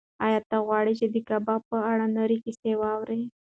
ایا ته غواړې چې د کباب په اړه نورې کیسې واورې؟